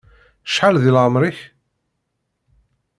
Cḥal deg laεmer-ik.